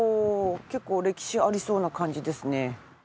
結構歴史ありそうな感じですね。